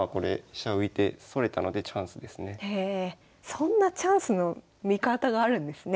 そんなチャンスの見方があるんですね。